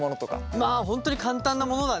まあ本当に簡単なものだね。